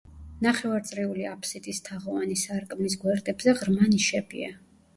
ნახევარწრიული აფსიდის თაღოვანი სარკმლის გვერდებზე ღრმა ნიშებია.